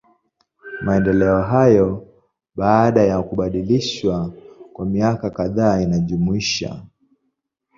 Maendeleo hayo, baada ya kubadilishwa kwa miaka kadhaa inajumuisha.